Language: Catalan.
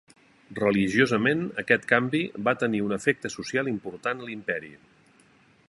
Religiosament aquest canvi va tenir un efecte social important a l'imperi.